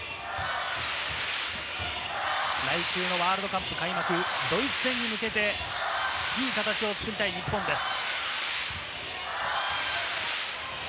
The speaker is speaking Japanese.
来週のワールドカップ開幕、ドイツ戦に向けていい形を作りたい日本です。